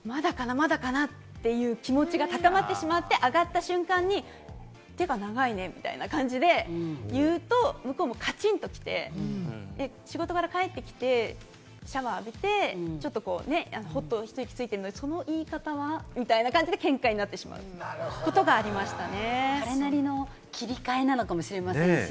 まだかな？という気持ちが高まってしまって、上がった瞬間に「っていうか長いね」みたいな感じで、言うと向こうもカチンときて、仕事がら、帰ってきてシャワー浴びてちょっとほっと一息ついてるのに、その言い方はみたいな感じで、けんかになってしまうことがありましたね。